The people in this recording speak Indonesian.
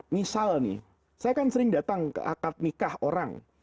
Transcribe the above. misal nih saya kan sering datang ke akad nikah orang